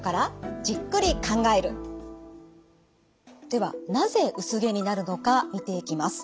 ではなぜ薄毛になるのか見ていきます。